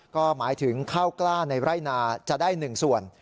ก็หมายถึงข้าวกล้าในไร่นาจะได้๑ส่วน